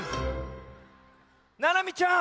ななみちゃん！